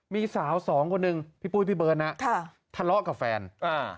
มีสาวสองคนหนึ่งพี่ปุ้ยพี่เบิร์ตนะค่ะทะเลาะกับแฟนอ่า